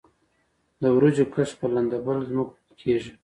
د وریجو کښت په لندبل ځمکو کې کیږي.